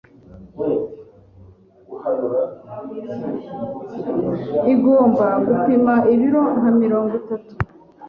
Igomba gupima ibiro nka mirongo itatu.